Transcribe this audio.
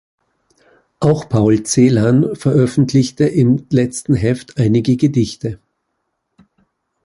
Auch Paul Celan veröffentlichte im letzten Heft einige Gedichte.